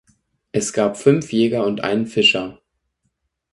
Es gab fünf Jäger und einen Fischer.